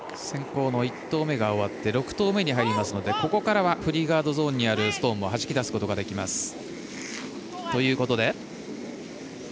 先攻の１投目が終わって６投目に入りますのでここからはフリーガードゾーンにあるストーンをはじき出すことができます。